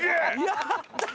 やったー！